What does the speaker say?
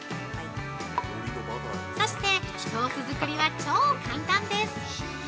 ◆そして、ソース作りは、超簡単です。